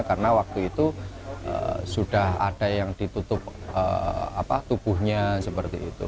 karena waktu itu sudah ada yang ditutup tubuhnya seperti itu